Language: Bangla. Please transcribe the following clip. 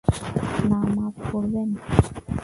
না মাফ করবেন!